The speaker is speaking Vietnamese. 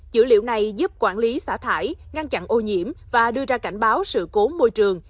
dữ liệu này giúp quản lý xả thải ngăn chặn ô nhiễm và đưa ra cảnh báo sự cố môi trường